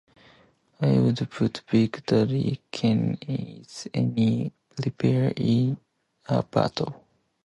I would put Big Daddy Kane against any rapper in a battle.